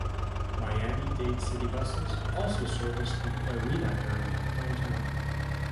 Miami-Dade city buses also service the arena area downtown.